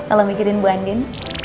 kalau mikirin bu andien